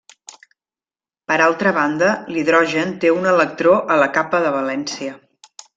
Per altra banda, l'hidrogen, té un electró a la capa de valència.